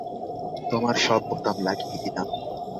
তোমার সব বোতাম লাগিয়ে দিলাম।